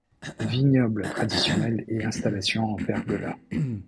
Vignoble traditionnel et installations en pergola.